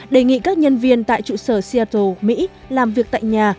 đề nghị các nhân viên tại trụ sở seattle mỹ làm việc tại nhà